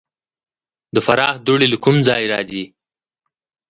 د فراه دوړې له کوم ځای راځي؟